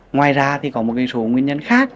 ngoài ra thì có một số nguyên nhân khác